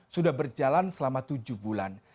sudah berjalan selama tujuh bulan